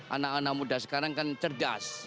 anak anak muda sekarang kan cerdas